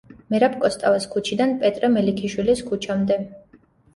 მერაბ კოსტავას ქუჩიდან პეტრე მელიქიშვილის ქუჩა მდე.